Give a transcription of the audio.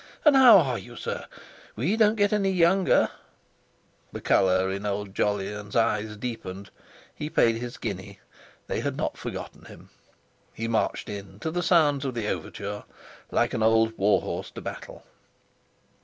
And how are you, sir? We don't get younger!" The colour in old Jolyon's eyes deepened; he paid his guinea. They had not forgotten him. He marched in, to the sounds of the overture, like an old war horse to battle.